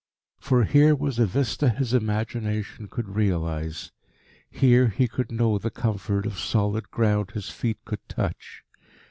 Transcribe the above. For here was a vista his imagination could realise; here he could know the comfort of solid ground his feet could touch.